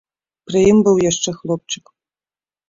Пры ім быў яшчэ хлопчык.